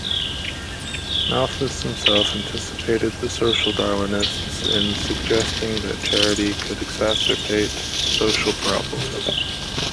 Malthus himself anticipated the social Darwinists in suggesting that charity could exacerbate social problems.